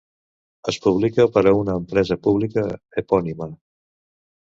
Es publica per una empresa pública epònima.